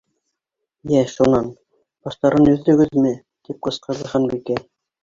—Йә, шунан, баштарын өҙҙөгөҙмө? —тип ҡысҡырҙы Ханбикә.